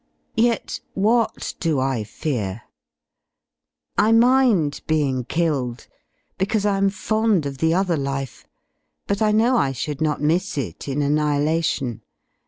{Yet what do I fear? I mind being killed because I am fond of the other life, but I know I should not miss It in annihilation.